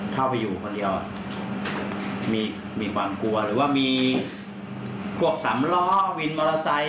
เข้าไปอยู่คนเดียวมีความกลัวหรือว่ามีพวกสำล้อวินมอเตอร์ไซค